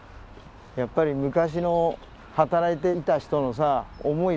やっぱり昔の働いていた人のさ思い